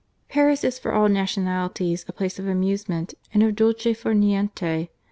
Paris is for all nationalities a place of amusement and of the dolcefar niente.